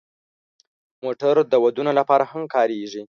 موټر د ودونو لپاره هم کارېږي.